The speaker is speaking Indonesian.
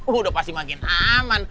udah pasti makin aman